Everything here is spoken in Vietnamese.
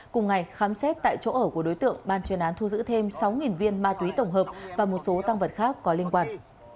cùng ngày khám xét tại chỗ ở của đối tượng ban chuyên án thu giữ thêm sáu viên ma túy tổng hợp và một số tăng vật khác có liên quan